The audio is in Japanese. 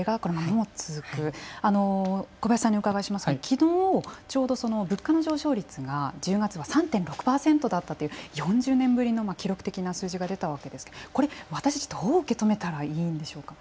あの小林さんにお伺いしますけど昨日ちょうど物価の上昇率が１０月は３．６％だったという４０年ぶりの記録的な数字が出たわけですけどこれ私たちどう受け止めたらいいんでしょうか。